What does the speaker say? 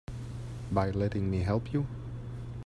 By letting me help you.